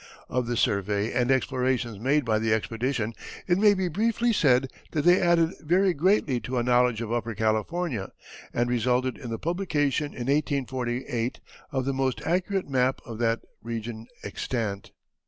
Of the survey and explorations made by the expedition it may be briefly said that they added very greatly to a knowledge of Upper California, and resulted in the publication in 1848 of the most accurate map of that region extant.